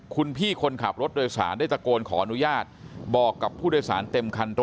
คุณพี่คนขับรถโดยสารได้ตะโกนขออนุญาตบอกกับผู้โดยสารเต็มคันรถ